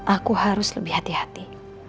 aku harus lebih hati hati